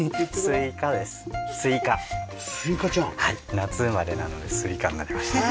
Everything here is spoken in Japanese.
夏生まれなのですいかになりました。